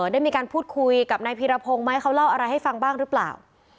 ได้มีการพูดคุยกับนายพีรพงศ์ไหมเขาเล่าอะไรให้ฟังบ้างหรือเปล่า